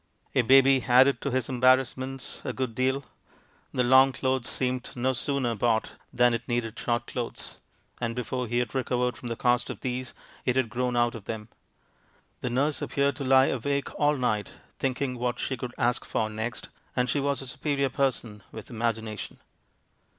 A baby added to his embarrassments a good deal. The long clothes seemed no sooner bought 224 WITH INTENT TO DEFRAUD 225 than it needed short clothes; and before he had recovered from the cost of these, it had grown out of them. The nurse appeared to lie awake all night thinking what she could ask for next, and she was a superior person, with imagination.